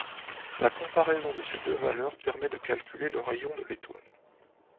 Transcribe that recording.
La comparaison de ces deux valeurs permet de calculer le rayon de l'étoile.